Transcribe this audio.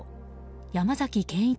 山崎健一